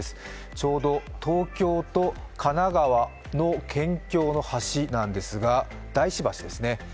ちょうど東京と神奈川の県境の橋なんですが、大師橋ですね。